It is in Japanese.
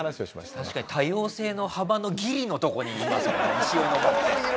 確かに多様性の幅のギリのとこにいますもんね石斧持って。